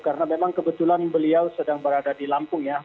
karena memang kebetulan beliau sedang berada di lampung ya